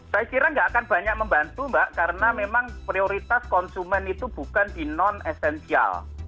saya kira nggak akan banyak membantu mbak karena memang prioritas konsumen itu bukan di non esensial